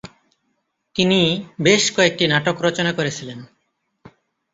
তিনি বেশ কয়েকটি নাটক রচনা করেছিলেন।